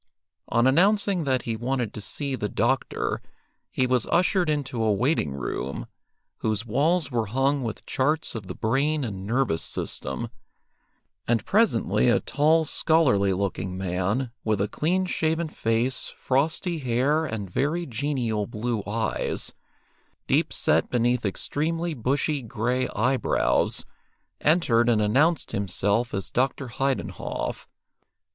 On announcing that he wanted to see the doctor, he was ushered into a waiting room, whose walls were hung with charts of the brain and nervous system, and presently a tall, scholarly looking man, with a clean shaven face, frosty hair, and very genial blue eyes, deep set beneath extremely bushy grey eyebrows, entered and announced himself as Dr. Heidenhoff.